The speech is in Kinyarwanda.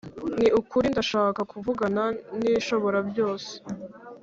.Ni ukuri ndashaka kuvugana n’Ishoborabyose